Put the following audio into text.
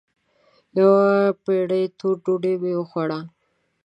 يوه پېړه توره ډوډۍ مې وخوړه.